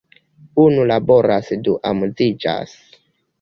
Unu laboras du amuziĝas!